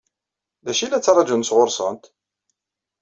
D acu i la ttṛaǧun sɣur-sent?